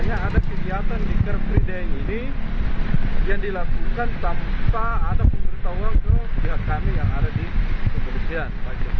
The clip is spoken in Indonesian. ada kegiatan di kerfrideng ini yang dilakukan tanpa ada pemberitahuan ke pihak kami yang ada di kepolisian